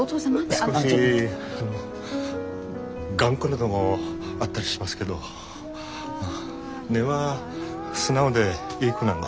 少し頑固なとごあったりしますけど根は素直でいい子なんで。